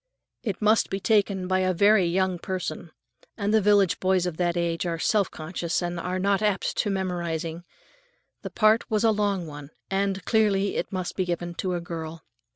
It must be taken by a very young person, and village boys of that age are self conscious and are not apt at memorizing. The part was a long one, and clearly it must be given to a girl.